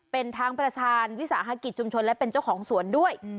เป็นทั้งประธานวิสาหกิจชุมชนและเป็นเจ้าของสวนด้วย